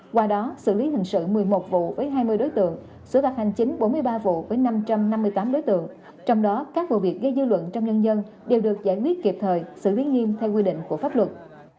qua đó xử lý hình sự một mươi một vụ với hai mươi đối tượng xử phạt hành chính bốn mươi ba vụ với năm trăm năm mươi tám đối tượng trong đó các vụ việc gây dư luận trong nhân dân đều được giải quyết kịp thời xử lý nghiêm theo quy định của pháp luật